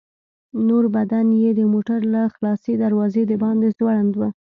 نور بدن يې د موټر له خلاصې دروازې د باندې ځوړند و.